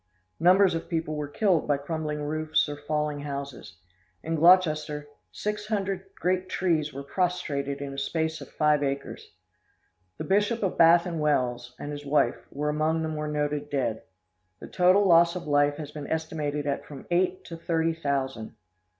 Numbers of people were killed by crumbling roofs or falling houses. In Gloucester, six hundred great trees were prostrated in a space of five acres. The Bishop of Bath and Wells, and his wife, were among the more noted dead. The total loss of life has been estimated at from eight to thirty thousand.